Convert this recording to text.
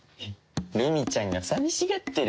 ルミちゃんが寂しがってるんで。